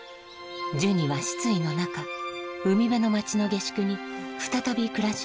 ジュニは失意の中海辺の街の下宿に再び暮らし始めました